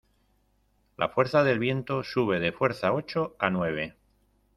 la fuerza del viento sube de fuerza ocho a nueve